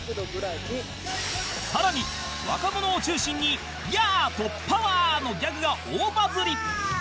さらに若者を中心に「ヤー！」と「パワー！」のギャグが大バズり